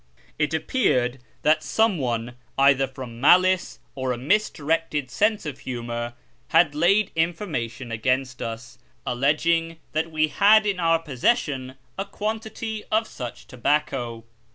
It appeared that some one, either from malice or a misdirected sense of humour, had laid information against us, alleging that we had in our possession a quantity of such tobacco.